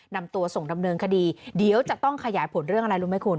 นำตัวส่งดำเนินคดีเดี๋ยวจะต้องขยายผลเรื่องอะไรรู้ไหมคุณ